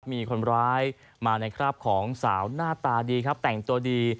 มีคนร้ายมาในคราบของสาวหน้าตาดีครับแต่งตัวดี